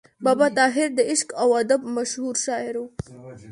بابا طاهر د عشق او ادب مشهور شاعر و.